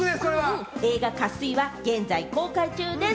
映画『渇水』は現在公開中です。